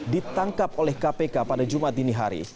ditangkap oleh kpk pada jumat dini hari